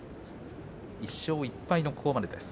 １勝１敗のここまでです。